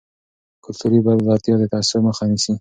کلتوري بلدتیا د تعصب مخه نیسي.